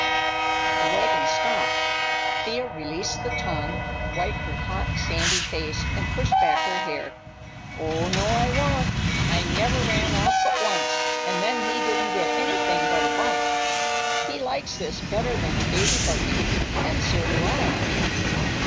The wagon stopped. Thea released the tongue, wiped her hot, sandy face, and pushed back her hair. "Oh, no, I won't! I never ran off but once, and then he didn't get anything but a bump. He likes this better than a baby buggy, and so do I."